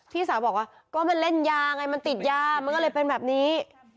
พี่สาวบอกว่าก็มันเล่นยาไงมันติดยามันก็เลยเป็นแบบนี้